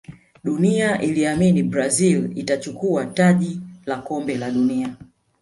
dunia iliamini brazil atachukua taji la kombe la dunia